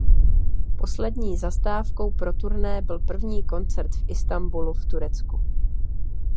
Poslední zastávkou pro turné byl první koncert v Istanbulu v Turecku.